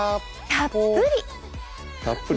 たっぷり。